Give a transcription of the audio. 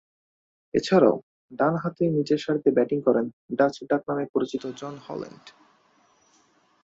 এছাড়াও, ডানহাতে নিচেরসারিতে ব্যাটিং করেন ‘ডাচ’ ডাকনামে পরিচিত জন হল্যান্ড।